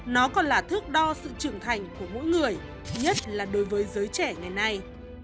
nó còn là thước đo sự trưởng thành của mỗi người nhất là đối với giới trẻ ngày nay